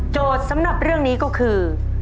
สำหรับเรื่องนี้ก็คือ